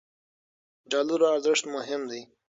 د ډالرو ارزښت مهم دی.